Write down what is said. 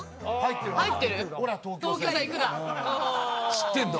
知ってんだ？